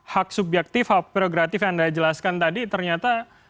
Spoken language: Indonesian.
hak subjektif hak prerogatif yang anda jelaskan tadi ternyata